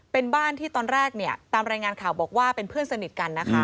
เป็นบ้านที่ตอนแรกเนี่ยตามรายงานข่าวบอกว่าเป็นเพื่อนสนิทกันนะคะ